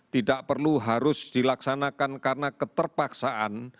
tidak perlu harus dilaksanakan karena keterpaksaan